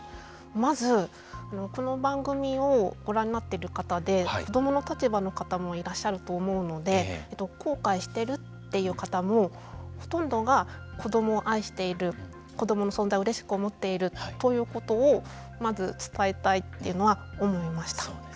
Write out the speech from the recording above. まず、この番組をご覧になっている方で子どもの立場の方もいらっしゃると思うので後悔してるといった方もほとんどが子どもを愛している子どもの存在をうれしく思っているということをまず伝えたいというのは思いました。